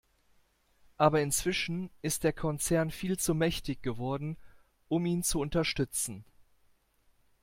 Aber inzwischen ist der Konzern viel zu mächtig geworden, um ihn zu unterstützen.